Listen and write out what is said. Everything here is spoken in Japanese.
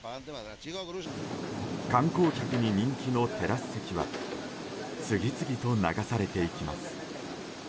観光客に人気のテラス席は次々と流されていきます。